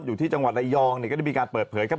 อยู่ที่จังหวัดระยองเนี่ยก็ได้มีการเปิดเผยครับ